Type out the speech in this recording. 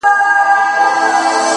خدايه ښه نـری بـاران پرې وكړې نن ـ